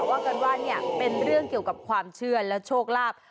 ว่ากันว่าเนี่ยเป็นเรื่องเกี่ยวกับความเชื่อและโชคลาภ